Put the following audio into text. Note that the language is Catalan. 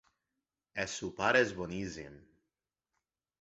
El sopar és boníssim.